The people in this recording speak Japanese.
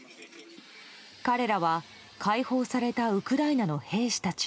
彼らは、解放されたウクライナの兵士たち。